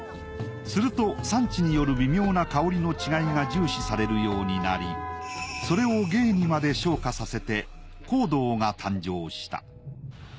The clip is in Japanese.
すると産地による微妙な香りの違いが重視されるようになりそれを芸にまで昇華させて香道が誕生した。